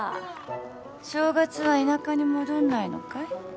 正月は田舎に戻んないのかい？